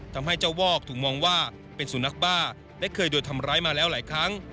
ทำให้เจ้าวอกถูกมองว่าเป็นสุนัขบ้าและเคยโดนทำร้ายมาแล้วหลายครั้ง